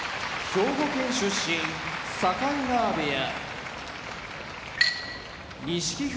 熊本県出身境川部屋